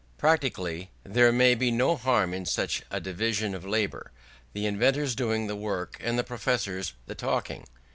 Practically there may be no harm in such a division of labour, the inventors doing the work and the professors the talking.